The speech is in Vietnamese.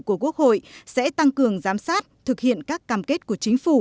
của quốc hội sẽ tăng cường giám sát thực hiện các cam kết của chính phủ